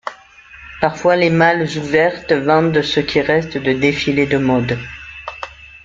Parfois les malles ouvertes vendent ce qui reste de défilés de mode.